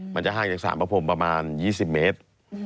มันจะห่างจากสารพระพรมประมาณ๒๐เมตร